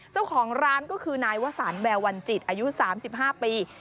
เจ้าของร้านก็คือนายวสานแบวันจิตอายุสามสิบห้าปี